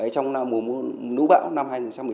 trong mùa mưa nũ bão năm hai nghìn một mươi chín